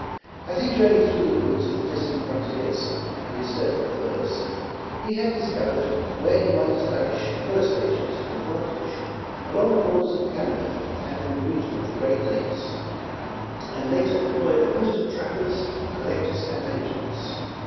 As he journej^ed through the woods of the distant frontiers, in his search for furs, he had discovered where he might establish fur stations to advantage, along the borders of Canada and in the region of the Great Lakes; and later employed a host of trappers, collectors and agents.